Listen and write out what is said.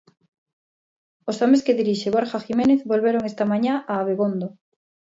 Os homes que dirixe Borja Jiménez volveron esta mañá a Abegondo.